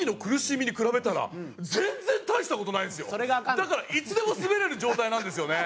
だからいつでもスベれる状態なんですよね。